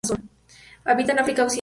Habita en África Occidental.